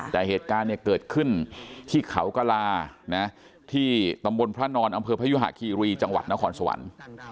แต่เหตุการณ์เนี่ยเกิดขึ้นที่เขากระลาที่ตำบลพระนอนอำเภอพยุหะคีรีจังหวัดนครสวรรค์